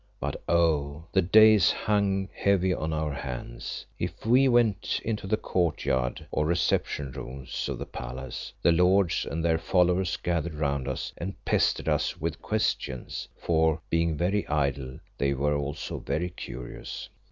But oh! the days hung heavy on our hands. If we went into the courtyard or reception rooms of the palace, the lords and their followers gathered round us and pestered us with questions, for, being very idle, they were also very curious.